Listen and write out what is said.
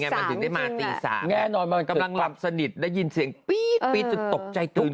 มันถึงได้มาตี๓กำลังหลับสนิทได้ยินเสียงปี๊กจะตกใจตื่น